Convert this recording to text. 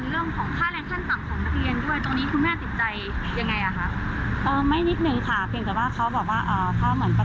รับผิดชอบไหมรับผิดชอบแค่คำขอโทษณวันนี้ค่ะ